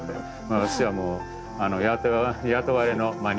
私はもう雇われの庭師。